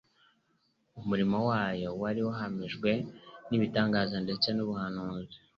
umurimo wayo wari wahamijwe n'ibitangaza ndetse n'ubuhanuzi.